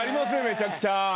めちゃくちゃ。